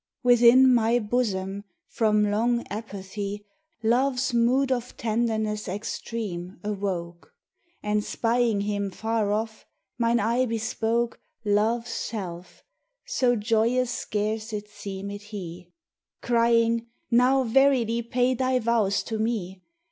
_' WITHIN my bosom, from long apathy, Love's mood of tenderness extreme awoke, And spying him far off, mine eye bespoke Love's self, so joyous scarce it seemèd he, Crying: 'Now, verily, pay thy vows to me!